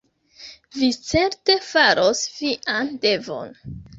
Vi certe faros vian devon.